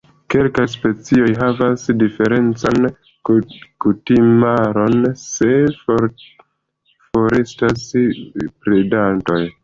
Kelkaj specioj havas diferencan kutimaron se forestas predantoj.